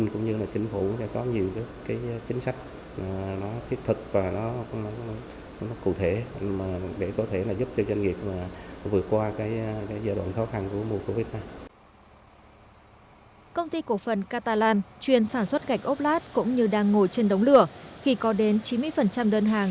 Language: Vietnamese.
công ty cổ phần katalan chuyên sản xuất gạch ốp lát cũng như đang ngồi trên đống lửa khi có đến chín mươi đơn hàng